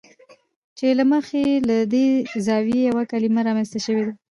چې له مخې یې له دې زاویې یوه کلمه رامنځته شوې ده.